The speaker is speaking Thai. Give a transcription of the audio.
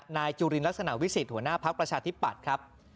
จุลินลักษณะวิสิทธิหัวหน้าพักประชาธิปัตย์ครับ